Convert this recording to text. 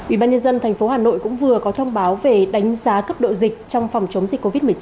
ubnd tp hà nội cũng vừa có thông báo về đánh giá cấp độ dịch trong phòng chống dịch covid một mươi chín